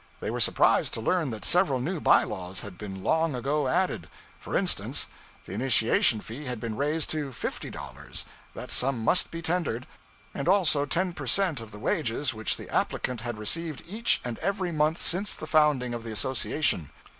They were surprised to learn that several new by laws had been long ago added. For instance, the initiation fee had been raised to fifty dollars; that sum must be tendered, and also ten per cent. of the wages which the applicant had received each and every month since the founding of the association.